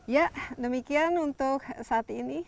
ya demikian untuk saat ini